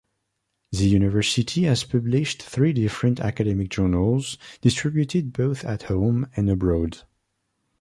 The university has published three different academic journals, distributed both at home and abroad.